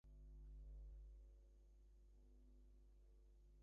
One instance of this appears in the first book of the Book of Kings.